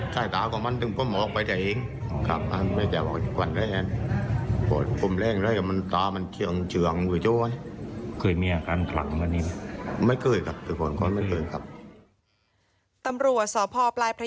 ใส่ตาของมันถึงพ่อหมอไปแต่เองครับอันไม่จะบอก